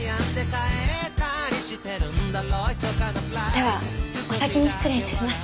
ではお先に失礼いたします。